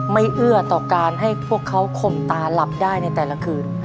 เอื้อต่อการให้พวกเขาคมตาหลับได้ในแต่ละคืน